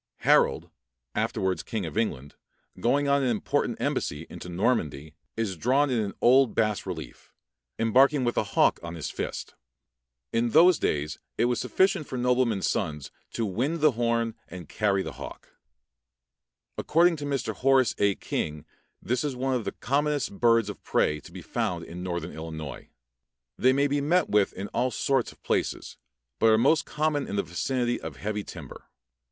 Harold, afterwards king of England, going on an important embassy into Normandy, is drawn in an old bas relief, embarking with a hawk on his fist. In those days it was sufficient for noblemen's sons to wind the horn and carry the hawk. According to Mr. Horace A. King this is one of the commonest birds of prey to be found in northern Illinois. They may be met with in all sorts of places, but are most common in the vicinity of heavy timber.